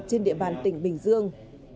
trên địa bàn tỉnh bình dương